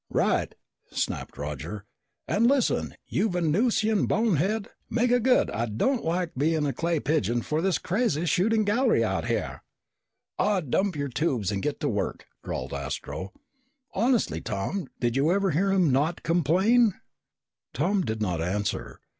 "Right!" snapped Roger. "And listen, you Venusian bonehead! Make it good. I don't like being a clay pigeon for this crazy shooting gallery out here!" "Aw, damp your tubes and get to work," drawled Astro. "Honestly, Tom, did you ever hear him not complain?" Tom did not answer.